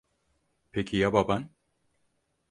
Peki ya baban?